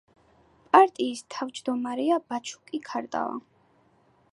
პარტიის თავმჯდომარეა ბაჩუკი ქარდავა.